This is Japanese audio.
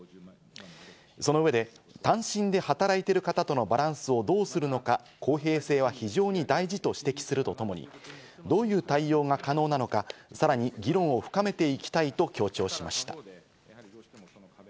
その上で、単身で働いている方とのバランスをどうするのか公平性は非常に大事と指摘するとともに、どういう対応が可能なのか、さらに議論を深めていきたいと強調しました。